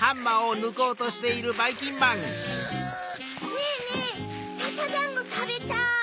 ねぇねぇささだんごたべたい！